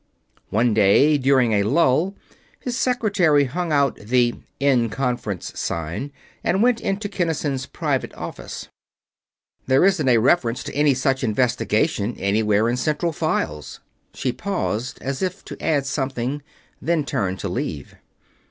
One day, during a lull, his secretary hung out the "In Conference" sign and went into Kinnison's private office. "There isn't a reference to any such Investigation anywhere in Central Files." She paused, as if to add something, then turned to leave.